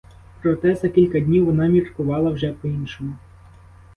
Проте за кілька днів вона міркувала вже по-іншому.